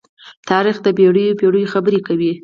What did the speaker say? تاریخ د پېړيو پېړۍ خبرې کوي.